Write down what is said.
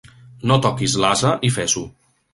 No toquis l'ase i fes-ho.